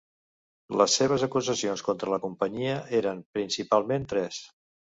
Les seves acusacions contra la companyia eren principalment tres.